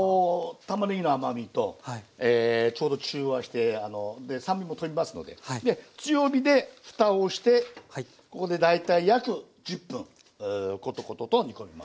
たまねぎの甘みとちょうど中和してで酸味も飛びますのでで強火でふたをしてここで大体約１０分コトコトと煮込みます。